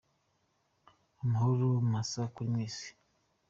Amahoro masa kuri mwese